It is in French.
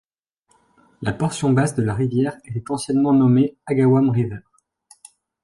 La portion basse de la rivière était anciennement nommée Agawam River.